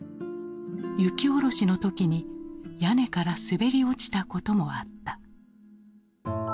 雪下ろしの時に屋根から滑り落ちたこともあった。